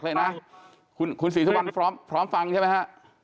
เลยนะคุณศรีสุวรรณพร้อมฟังใช่ไหมฮะ